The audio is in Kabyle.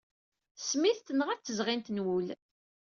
Smith tenɣa-t tezɣint n wul.